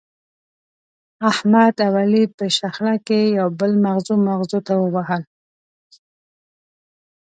احمد او علي په شخړه کې یو بل مغزو مغزو ته ووهل.